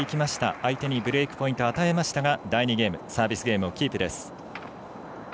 相手にブレークポイントを与えましたが第２ゲームサービスゲームをキープです。